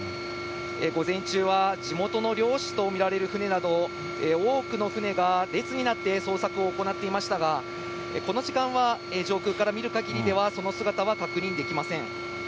午前中は地元の漁師と見られる船など、多くの船が列になって捜索を行っていましたが、この時間は、上空から見るかぎりでは、その姿は確認できません。